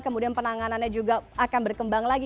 kemudian penanganannya juga akan berkembang lagi